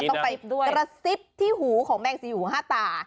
ต้องไปด้วยกระซิบที่หูของแมงซียูห้าตา